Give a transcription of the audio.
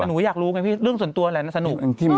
หนูก็อยากรู้ไงพี่เรื่องส่วนตัวแหละสนุก